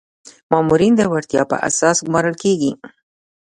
مامورین د وړتیا په اساس ګمارل کیږي